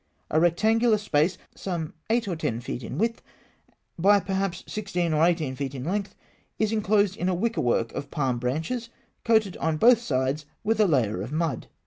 A rectangular space, some eight or ten feet in width, by perhaps sixteen or eighteen feet in length, is enclosed in a wickerwork of palm branches, coated on both sides with a layer of mud.